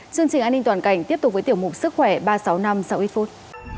chương trình an ninh toàn cảnh tiếp tục với tiểu mục sức khỏe ba trăm sáu mươi năm sau ít phút